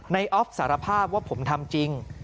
ออฟสารภาพว่าผมทำจริง